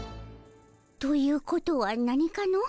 ということはなにかの？